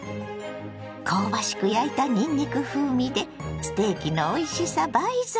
香ばしく焼いたにんにく風味でステーキのおいしさ倍増！